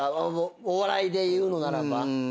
お笑いでいうのならば。